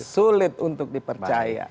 sulit untuk dipercaya